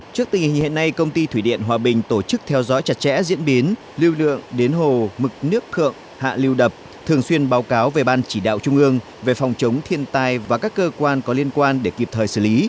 trước tình hình hiện nay công ty thủy điện hòa bình tổ chức theo dõi chặt chẽ diễn biến lưu lượng đến hồ mực nước thượng hạ lưu đập thường xuyên báo cáo về ban chỉ đạo trung ương về phòng chống thiên tai và các cơ quan có liên quan để kịp thời xử lý